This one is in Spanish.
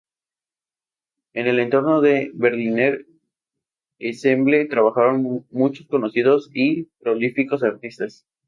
En el entorno del Berliner Ensemble trabajaron muchos conocidos y prolíficos artistas.